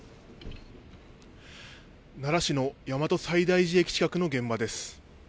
奈良市の大和西大寺駅近くの現場です。